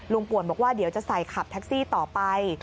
ป่วนบอกว่าเดี๋ยวจะใส่ขับแท็กซี่ต่อไป